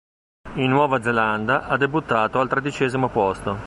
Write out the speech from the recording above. In Nuova Zelanda ha debuttato al tredicesimo posto.